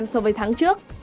so với tháng trước